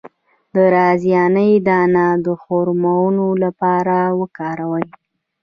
د رازیانې دانه د هورمون لپاره وکاروئ